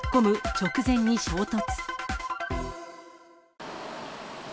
直前に衝突。